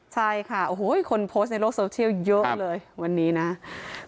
ใช่ค่ะโอ้โหคนโพสต์ในโลกโซเชียลเยอะเลยวันนี้นะ